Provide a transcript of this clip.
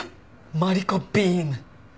マリコビーム！